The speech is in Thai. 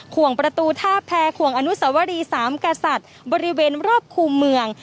วงประตูท่าแพรขวงอนุสวรีสามกษัตริย์บริเวณรอบคู่เมือง